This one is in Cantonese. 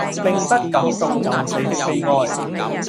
並不感到就死的悲哀。